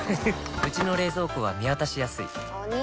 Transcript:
うちの冷蔵庫は見渡しやすいお兄！